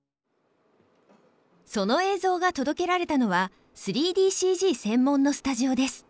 その映像が届けられたのは３ＤＣＧ専門のスタジオです。